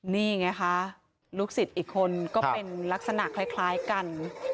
นี่ไงคะลูกศิษย์อีกคนก็เป็นลักษณะคล้ายกัน